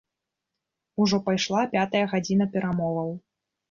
Ужо пайшла пятая гадзіна перамоваў.